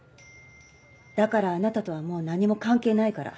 だからあなたとはもう何も関係ないから。